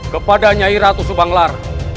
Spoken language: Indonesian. kepada nyai ratu subanglar